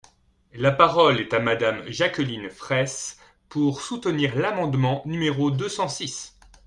La parole est à Madame Jacqueline Fraysse, pour soutenir l’amendement numéro deux cent six.